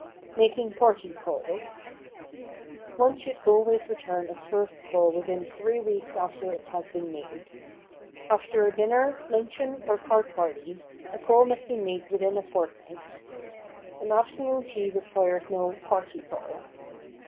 [Sidenote: MAKING PARTY CALLS] One should always return a first call within three weeks after it has been made. After a dinner, luncheon or card party, a call must be made within a fortnight. An afternoon tea requires no "party call."